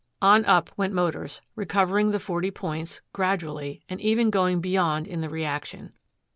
On up went Motors, recovering the forty points, gradually, and even going beyond in the reaction.